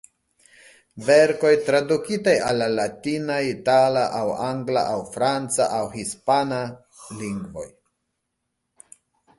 Verkoj tradukitaj al la latina, itala aŭ angla aŭ franca aŭ hispana... lingvoj.